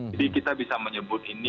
jadi kita bisa menyebut ini